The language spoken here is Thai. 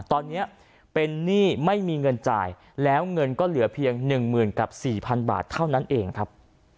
ตอนนี้เป็นหนี้ไม่มีเงินจ่ายแล้วเงินก็เหลือเพียง๑๐๐๐กับ๔๐๐บาทเท่านั้นเองครับ